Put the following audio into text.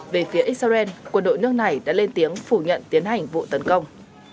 về phía israel quân đội nước này đã lên tiếng phủ nhận tiến hành vụ tấn công